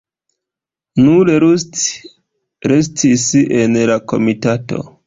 Nur Rust restis en la komitato.